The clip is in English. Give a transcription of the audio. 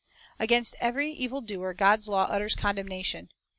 3 Against every evil doer God's law utters condem nation.